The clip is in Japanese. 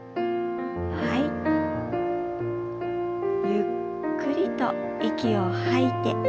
ゆっくりと息を吐いて。